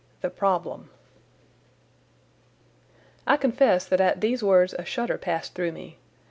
The Problem I confess at these words a shudder passed through me.